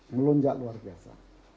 melunjak luar biasa